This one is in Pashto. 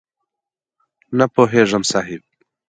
نه پوهېږم صاحب؟!